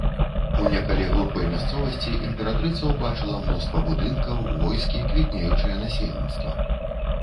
У некалі глухой мясцовасці імператрыца ўбачыла мноства будынкаў, войскі, квітнеючае насельніцтва.